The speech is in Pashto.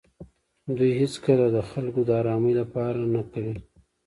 دوی هېڅې د خلکو د ارامۍ لپاره نه کوي.